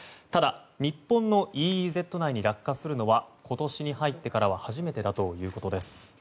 ただ、日本のＥＥＺ内に落下するのは今年に入ってからは初めてだということです。